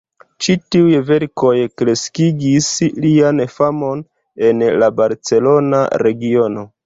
Ĉi tiuj verkoj kreskigis lian famon en la barcelona regiono.